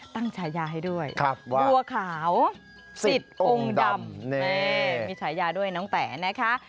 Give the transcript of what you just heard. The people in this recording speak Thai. ฉายาให้ด้วยบัวขาวสิทธิ์องค์ดำมีฉายาด้วยน้องแต๋นะคะ